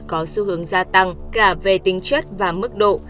có xu hướng gia tăng cả về tính chất và mức độ